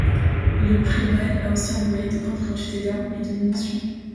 Le Prêt-Bail a aussi envoyé de grandes quantités d’armes et de munitions.